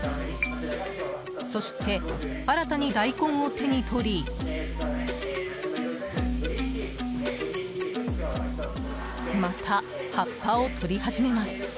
そして、新たに大根を手に取りまた葉っぱを取り始めます。